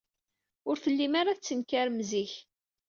Ur tellim ara tettenkarem zik.